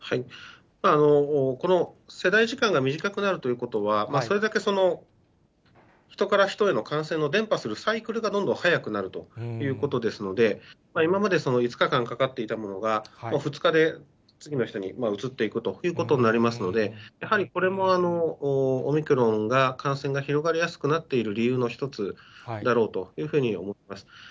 この世代時間が短くなるということは、それだけ人から人への感染の伝ぱするサイクルがどんどん早くなるということですので、今まで５日間かかっていたものが、２日で次の人にうつっていくということになりますので、やはりこれもオミクロンが感染が広がりやすくなっている理由の１つだろうというふうに思っています。